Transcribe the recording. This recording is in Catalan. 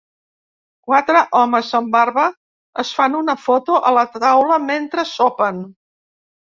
Quatre homes amb barba es fan una foto a la taula mentre sopen.